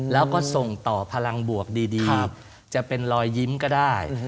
แล้วก็ส่งต่อพลังบวกดีจะเป็นรอยยิ้มก็ได้